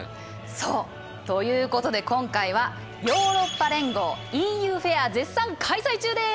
そうということで今回はヨーロッパ連合ＥＵフェア絶賛開催中です！